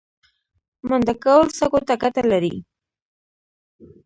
منډه کول سږو ته ګټه لري